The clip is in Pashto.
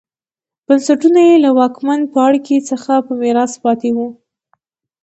بنسټونه یې له واکمن پاړکي څخه په میراث پاتې وو